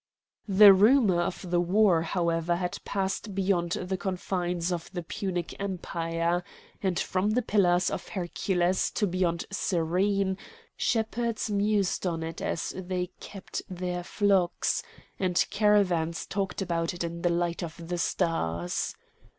The rumour of the war, however, had passed beyond the confines of the Punic empire; and from the pillars of Hercules to beyond Cyrene shepherds mused on it as they kept their flocks, and caravans talked about it in the light of the stars.